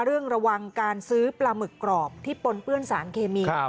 ระวังการซื้อปลาหมึกกรอบที่ปนเปื้อนสารเคมี